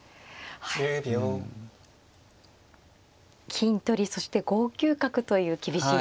金取りそして５九角という厳しい手が。